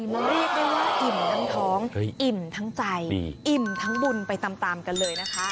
มันเรียกได้ว่าอิ่มทั้งท้องอิ่มทั้งใจอิ่มทั้งบุญไปตามกันเลยนะคะ